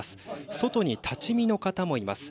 外に立ち見の方もいます。